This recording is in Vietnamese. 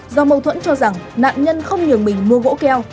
do mâu thuẫn cho rằng nạn nhân không nhường mình mua gỗ keo